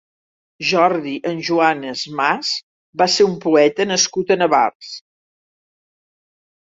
Jordi Enjuanes-Mas va ser un poeta nascut a Navars.